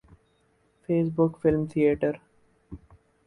face book film theatre